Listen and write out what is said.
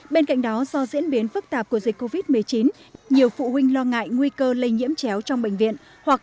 bên cạnh đó do diễn biến phức tạp của dịch covid một mươi chín nhiều phụ huynh lo ngại nguy cơ lây nhiễm chéo trong bệnh viện